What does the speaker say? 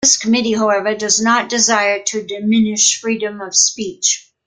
This committee, however, does not desire to diminish freedom of speech.